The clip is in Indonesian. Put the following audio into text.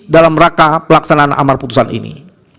dalam rangka pelaksanaan amar putusan ini